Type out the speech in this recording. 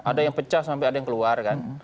ada yang pecah sampai ada yang keluar kan